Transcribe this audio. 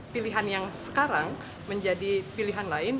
pilihan yang sekarang menjadi pilihan lain